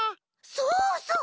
そうそう！